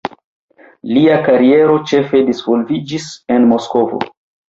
Lia kariero ĉefe disvolviĝis en Moskvo.